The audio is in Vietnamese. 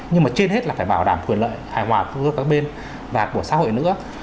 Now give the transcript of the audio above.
nhưng mà trên hết là phải bảo đảm quyền lợi hài hòa giữa các bên và của xã hội nữa